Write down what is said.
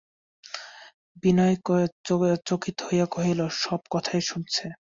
বিনয় চকিত হইয়া কহিল, সব কথাই শুনেছ!